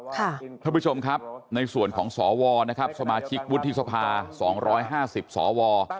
ท่านผู้ชมครับในส่วนของสวนะครับสมาชิกวุฒิสภา๒๕๐สว